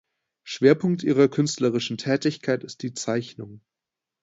Schwerpunkt ihrer künstlerischen Tätigkeit ist die Zeichnung.